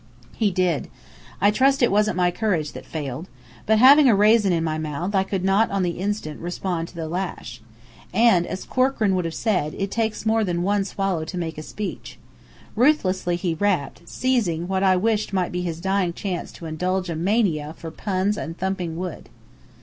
He did. I trust it wasn't my courage that failed. But having a raisin in my mouth I could not on the instant respond to the lash. And as Corkran would have said, it takes more than one swallow to make a speech. Ruthlessly he rapped, seizing what I wished might be his dying chance to indulge a mania for puns and thumping wood.